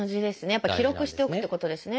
やっぱ記録しておくっていうことですね。